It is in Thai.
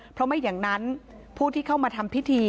เพราะไม่อย่างนั้นผู้ที่เข้ามาทำพิธี